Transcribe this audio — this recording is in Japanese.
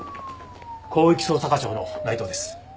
広域捜査課長の内藤です。